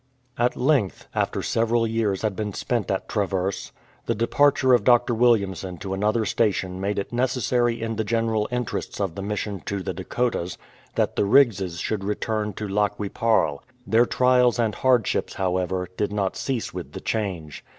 At length, after several years had been spent at Tra verse, the departure of Dr. Williamson to another station made it necessary in the general interests of the Mission to the Dakotas that the Riggses should return to Lac qui parle. Their trials and hardships, however, did not cease with the change.